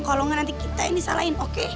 kalau enggak nanti kita yang disalahin oke